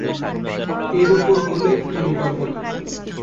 এর উপর হলে আমি পারব না।